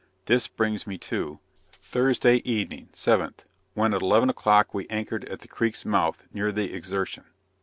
This brings me to, Thursday evening, 7th, when, at eleven o'clock, we anchored at the creek's mouth, near the Exertion.